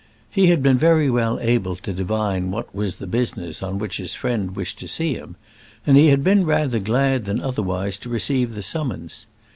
He had been very well able to divine what was the business on which his friend wished to see him, and he had been rather glad than otherwise to receive the summons.